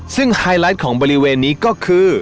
ซึ่งไฮไลท์ของบริเวณนี้ก็คือ